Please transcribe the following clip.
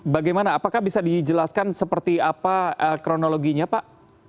bagaimana apakah bisa dijelaskan seperti apa kronologinya pak